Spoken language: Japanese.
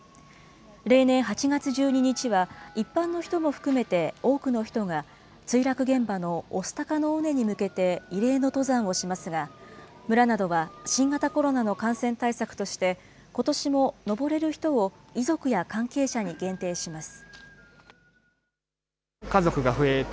例年、８月１２日は一般の人も含めて多くの人が墜落現場の御巣鷹の尾根に向けて慰霊の登山をしますが、村などは新型コロナの感染対策として、ことしも登れる人を遺族や関係者に限定します。